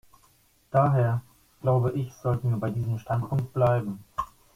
Daher, glaube ich, sollten wir bei diesem Standpunkt bleiben.